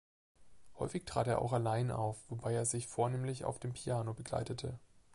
Häufig trat er auch allein auf, wobei er sich vornehmlich auf dem Piano begleitete.